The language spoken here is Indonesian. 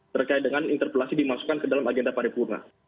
terkait dengan interpelasi dimasukkan ke dalam agenda paripurna